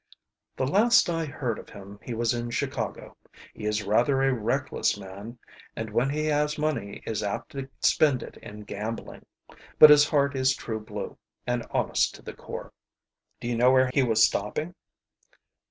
"The last I heard of him he was in Chicago. He is rather a reckless man, and when he has money is apt to spend it in gambling. But his heart is true blue and honest to the core." "Do you know where he was stopping?"